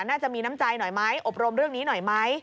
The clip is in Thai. น่าจะมีน้ำใจหน่อยไหมอบรมเรื่องนี้หน่อยไหม